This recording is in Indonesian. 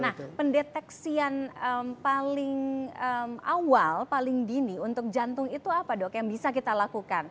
nah pendeteksian paling awal paling dini untuk jantung itu apa dok yang bisa kita lakukan